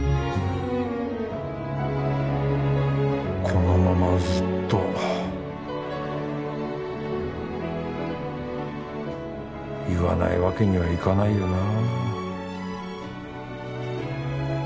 このままずっと言わないわけにはいかないよな